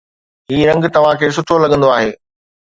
هي رنگ توهان کي سٺو لڳندو آهي